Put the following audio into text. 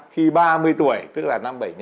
khi ba mươi tuổi tức là năm bảy mươi